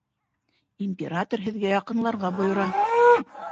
Император һеҙгә яҡынларға бойора.